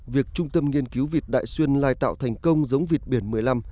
việc trung tâm nghiên cứu vịt đại xuyên lai tạo thành công giống vịt biển một mươi năm